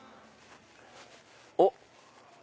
おっ！